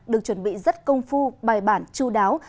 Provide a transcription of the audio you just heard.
được chuẩn bị rất công phu bài bản chú đáo